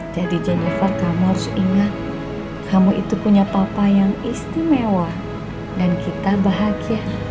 jadi jennifer kamu harus ingat kamu itu punya papa yang istimewa dan kita bahagia